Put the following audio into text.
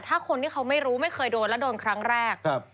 ถ้าคนที่เขาไม่รู้ไม่เคยโดนแล้วโดนครั้งแรก